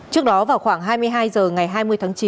trước đó vào khoảng hai mươi hai h ngày hai mươi tháng chín